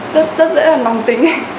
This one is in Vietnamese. rất dễ là mỏng tính